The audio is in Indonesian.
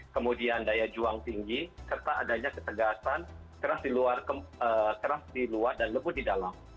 kemudian daya juang tinggi serta adanya ketegasan keras di luar dan lembut di dalam